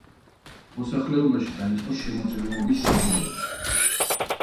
მოსახლეობაში დაიწყო შემოწირულობის შეგროვება.